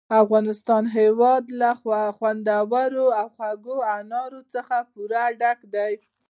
د افغانستان هېواد له خوندورو او خوږو انارو څخه پوره ډک دی.